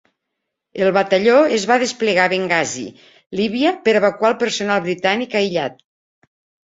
El batalló es va desplegar a Bengasi, Líbia, per evacuar el personal britànic aïllat.